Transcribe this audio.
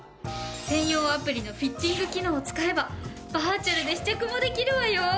専用アプリのフィッティング機能を使えばバーチャルで試着もできるわよ！